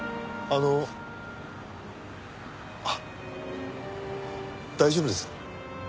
あっ大丈夫です？